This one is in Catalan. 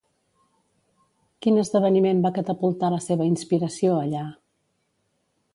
Quin esdeveniment va catapultar la seva inspiració allà?